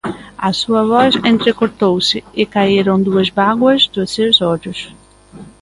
A súa voz entrecortouse, e caeron dúas bágoas dos seus ollos.